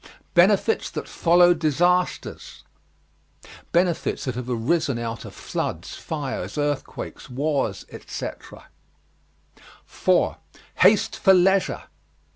BENEFITS THAT FOLLOW DISASTERS. Benefits that have arisen out of floods, fires, earthquakes, wars, etc. 4. HASTE FOR LEISURE.